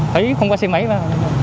thấy không qua xe máy mà